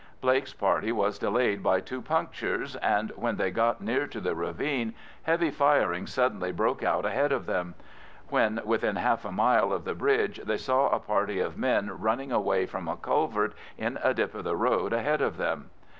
Blake's party was delayed by two punctures, and when they got near to the ravine heavy firing suddenly broke out ahead of them. When within half a mile of the bridge, they saw a party of men running away from a culvert in a dip of the road ahead of them.